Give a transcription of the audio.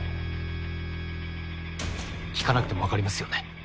聴かなくてもわかりますよね